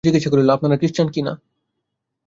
মৃত্যুঞ্জয় জিজ্ঞাসা করিল, আপনারা ক্রিশ্চান না কি?